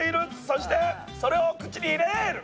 そしてそれを口に入れる。